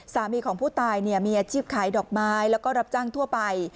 สามีของผู้ตายมีอาชีพขายดอกไม้แล้วก็รับจ้างทั่วไป